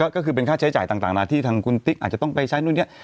ก็คือเป็นค่าใช้จ่ายต่างนะที่ทางคุณติ๊กอาจจะต้องไปใช้นู่นนี่